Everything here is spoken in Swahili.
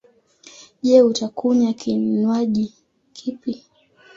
Je, utakunya kinwaji kipi?